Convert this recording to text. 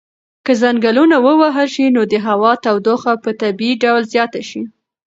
که ځنګلونه ووهل شي نو د هوا تودوخه به په طبیعي ډول زیاته شي.